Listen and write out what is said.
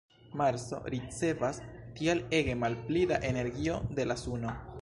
Marso ricevas tial ege malpli da energio de la suno.